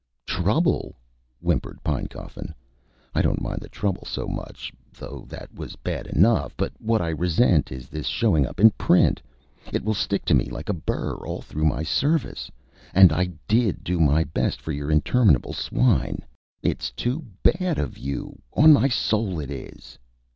"Trouble!" whimpered Pinecoffin; "I don't mind the trouble so much, though that was bad enough; but what I resent is this showing up in print. It will stick to me like a burr all through my service. And I DID do my best for your interminable swine. It's too bad of you, on my soul it is!"